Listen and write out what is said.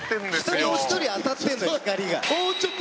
１人１人当たってんのよ光が。